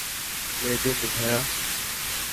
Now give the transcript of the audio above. Legend, ভায়া।